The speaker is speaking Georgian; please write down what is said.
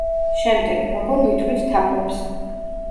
შემდეგ: როგორ ვითვლით თაგვებს?